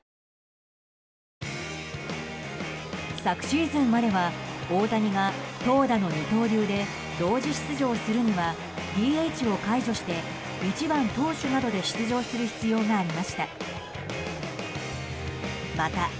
昨シーズンまでは大谷が投打の二刀流で同時出場するにはＤＨを解除して１番投手などで出場する必要がありました。